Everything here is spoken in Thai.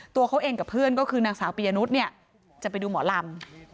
ตัวเขาเองกับเพื่อนก็คือนางสาวปียนุษย์เนี่ยจะไปดูหมอลำ